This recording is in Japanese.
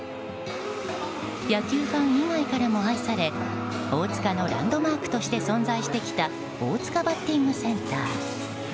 野球ファン以外からも愛され大塚のランドマークとして存在してきた大塚バッティングセンター。